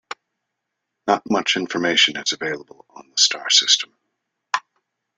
Not much information is available on the star system.